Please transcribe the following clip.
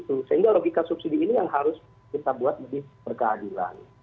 sehingga logika subsidi ini yang harus kita buat lebih berkeadilan